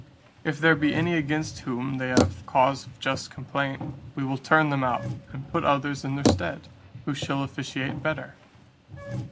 If there be any against whom they have cause of just complaint, we will turn them out, and put others in their stead, who shall officiate better.